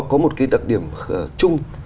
có một đặc điểm chung